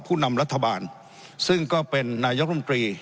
ผู้นำรัฐบาลซึ่งก็เป็นนายกรมตรี